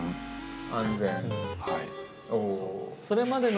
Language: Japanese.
◆安全？